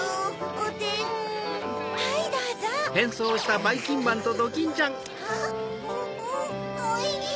おいしい！